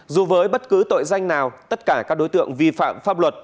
dù với bất cứ tội danh nào tất cả các đối tượng vi phạm pháp luật